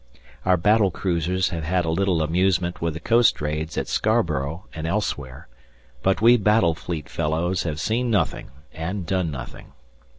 Our battle cruisers have had a little amusement with the coast raids at Scarborough and elsewhere, but we battle fleet fellows have seen nothing, and done nothing.